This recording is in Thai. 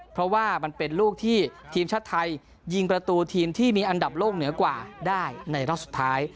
เพราะว่ามันเป็นลูกที่ทีมชาติไทยยิงประตูทีมที่มีอันดับโลกเหนือกว่าได้ในรอบสุดท้าย